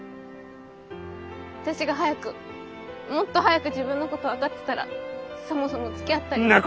私が早くもっと早く自分のこと分かってたらそもそもつきあったり。